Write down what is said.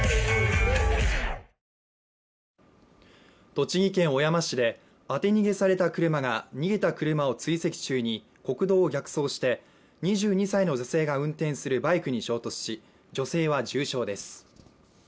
栃木県小山市で当て逃げされた車が逃げた車を追跡中に国道を逆走して２２歳の女性が運転するバイクに衝突し、女性は重傷です。